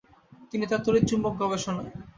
তিনি তার তড়িৎ চুম্বক গবেষণায়।